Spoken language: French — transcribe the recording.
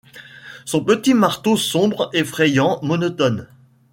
Son petit marteau sombre, effrayant, monotone